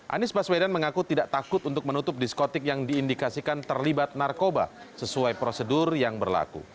anies baswedan mengaku tidak takut untuk menutup diskotik yang diindikasikan terlibat narkoba sesuai prosedur yang berlaku